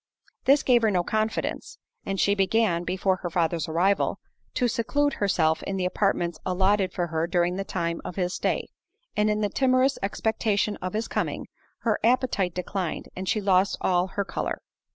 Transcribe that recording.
This gave her no confidence; and she began, before her father's arrival, to seclude herself in the apartments allotted for her during the time of his stay; and in the timorous expectation of his coming, her appetite declined, and she lost all her colour.